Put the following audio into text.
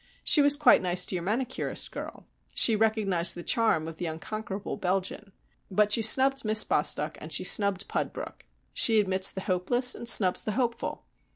She was quite nice to your manicurist girl. She recognised the charm of the Unconquerable Belgian. But she snubbed Miss Bostock and she snubbed Pudbrook. She admits the hopeless and snubs the hopeful.